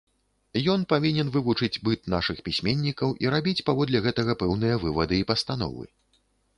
Ён павінен вывучыць быт нашых пісьменнікаў і рабіць паводле гэтага пэўныя вывады і пастановы.